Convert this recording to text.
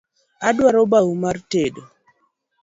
Aduaro bau mar tado